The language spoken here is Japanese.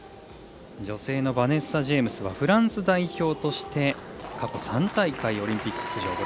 女性のバネッサ・ジェイムスはフランス代表として過去３大会オリンピック出場。